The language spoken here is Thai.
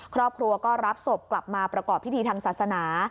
ครอบครัวก็รับศพกลับมาประกอบพิธีทางศาสนา